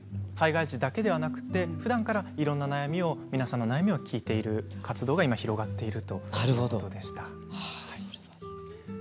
災害時だけでなくふだんからいろんな人の悩みを聞いている活動が広がっているということでした。